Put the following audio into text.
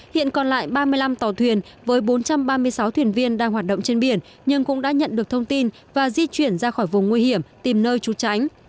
hiện còn lại ba mươi năm tàu thuyền với bốn trăm ba mươi sáu thuyền viên đang hoạt động trên biển nhưng cũng đã nhận được thông tin và di chuyển ra khỏi vùng nguy hiểm tìm nơi trú tránh